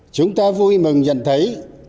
chúng ta vui mừng nhận thấy